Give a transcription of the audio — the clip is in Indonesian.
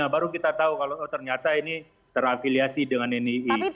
baru kita tahu kalau ternyata ini terafiliasi dengan nii